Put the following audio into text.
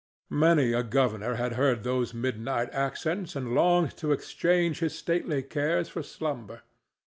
Many a governor had heard those midnight accents and longed to exchange his stately cares for slumber.